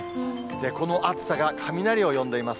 この暑さが雷を呼んでいます。